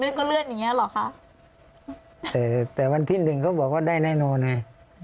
เลื่อนอย่างเงี้เหรอคะแต่แต่วันที่หนึ่งเขาบอกว่าได้แน่นอนไง